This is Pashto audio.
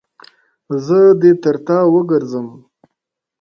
زه دې تر تا وګرځم.